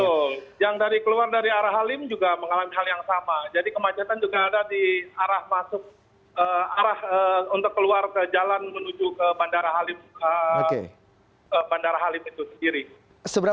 betul yang dari keluar dari arah halim juga mengalami hal yang sama jadi kemacetan juga ada di arah masuk arah untuk keluar ke jalan menuju ke bandara halim bandara halim itu sendiri